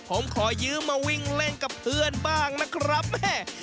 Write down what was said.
ผมขอยื้อมาวิ่งเล่นกับเพื่อนบ้างนะครับแม่